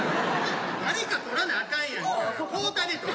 誰か撮らなあかんやんか。